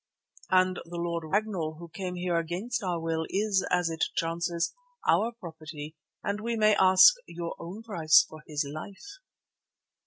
"And the Lord Ragnall, who came here against our will, is, as it chances, our property and we may ask your own price for his life.